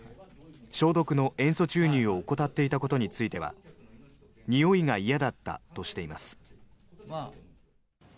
消毒の塩素注入を怠っていたことについてはにおいが嫌だったとしています。